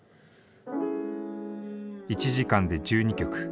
１時間で１２曲。